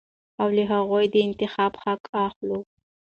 او له هغوى د انتخاب حق اخلو.